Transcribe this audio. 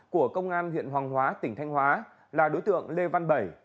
của công an huyện hoàng hóa tỉnh thanh hóa là đối tượng lê văn bảy